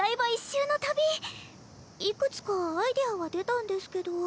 いくつかアイデアは出たんですけど。